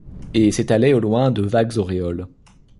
Et s’étoilait au loin de vagues auréoles